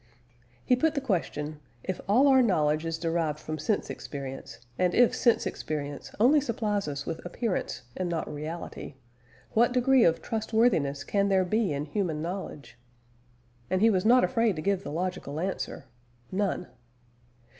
He put the question, If all our knowledge is derived from sense experience, and if sense experience only supplies us with appearance and not reality, what degree of trustworthiness can there be in human knowledge? And he was not afraid to give the logical answer None.